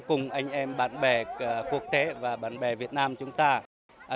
cùng anh em bạn bè quốc tế và bạn bè việt nam chúng ta